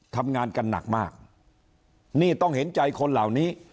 ทำงานกันหนักมากนี่ต้องเห็นใจคนเหล่านี้